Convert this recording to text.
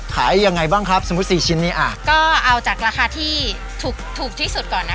ขายยังไงบ้างครับสมมุติสี่ชิ้นนี้อ่ะก็เอาจากราคาที่ถูกถูกที่สุดก่อนนะ